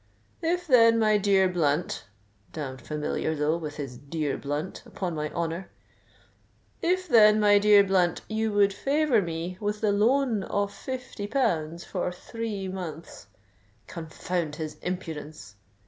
—'If, then, my dear Blunt,'——damned familiar, though, with his 'dear Blunt,' upon my honour!——'If, then, my dear Blunt, you would favour me with the loan of fifty pounds for three months,'——Confound his impudence!"